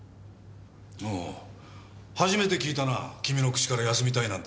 ああ初めて聞いたな君の口から休みたいなんて。